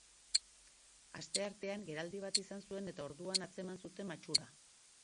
Asteartean geraldi bat izan zuen eta orduan atzeman zuten matxura.